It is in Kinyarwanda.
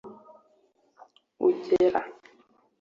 ugera